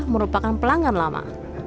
merupakan pelanggan lama